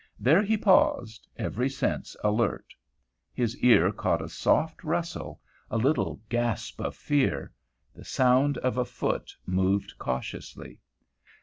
There he paused, every sense alert. His ear caught a soft rustle, a little gasp of fear; the sound of a foot moved cautiously.